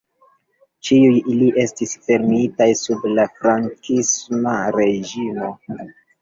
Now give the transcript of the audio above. Ĉiuj ili estis fermitaj sub la frankisma reĝimo.